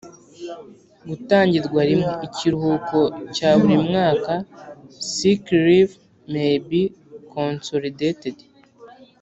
gutangirwa rimwe Ikiruhuko cya buri mwaka sick leave may be consolidated